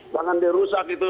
jangan dirusak gitu